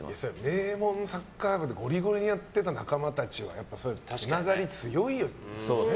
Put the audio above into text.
名門サッカー部でゴリゴリにやってた仲間たちはやっぱりつながりが強いですよね。